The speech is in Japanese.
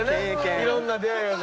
いろんな出会いやから。